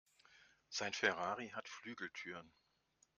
Sein Ferrari hat Flügeltüren.